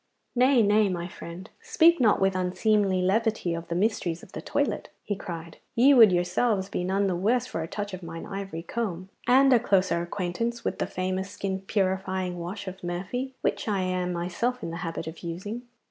'Nay, nay, my friend. Speak not with unseemly levity of the mysteries of the toilet,' he cried. 'Ye would yourselves be none the worse for a touch of mine ivory comb, and a closer acquaintance with the famous skin purifying wash of Murphy which I am myself in the habit of using.